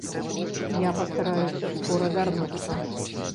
Я пастараюся скора вярнуцца.